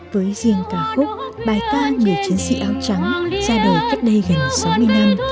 với riêng ca khúc bài ca người chiến sĩ áo trắng ra đời cách đây gần sáu mươi năm